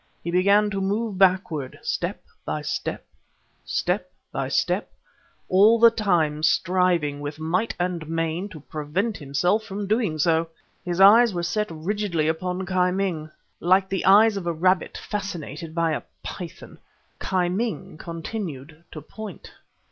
He began to move backward, step by step, step by step, all the time striving, with might and main, to prevent himself from doing so! His eyes were set rigidly upon Ki Ming, like the eyes of a rabbit fascinated by a python. Ki Ming continued to point.